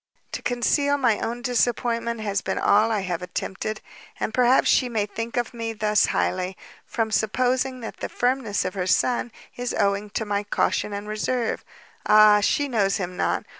To conceal my own disappointment has, been all I have attempted; and perhaps she may think of me thus highly, from supposing that the firmness of her son is owing to my caution and reserve; ah, she knows him not!